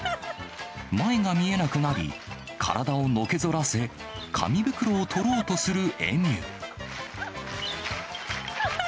前が見えなくなり、体をのけぞらせ、紙袋を取ろうとするエミュー。